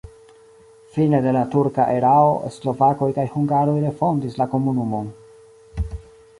Fine de la turka erao slovakoj kaj hungaroj refondis la komunumon.